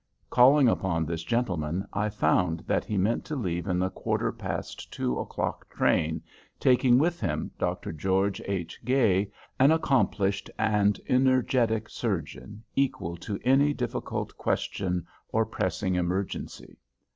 Calling upon this gentleman, I found that he meant to leave in the quarter past two o'clock train, taking with him Dr. George H. Gay, an accomplished and energetic surgeon, equal to any difficult question or pressing emergency.